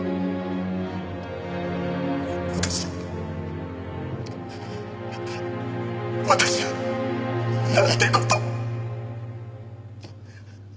私は私はなんて事を！